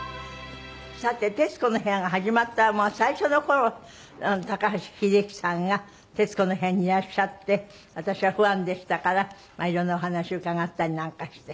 さて『徹子の部屋』が始まった最初の頃高橋英樹さんが『徹子の部屋』にいらっしゃって私はファンでしたからいろんなお話伺ったりなんかして。